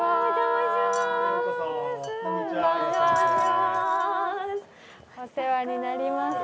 お世話になります。